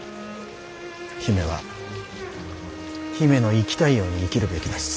姫は姫の生きたいように生きるべきです。